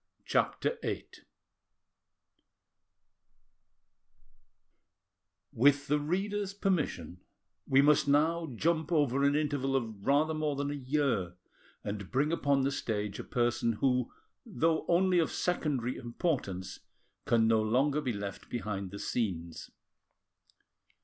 CHAPTER VIII With the reader's permission, we must now jump over an interval of rather more than a year, and bring upon the stage a person who, though only of secondary importance, can no longer be left behind the scenes.